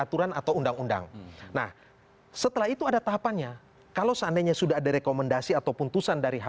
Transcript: yang akan maju lagi melalui jalur independen ini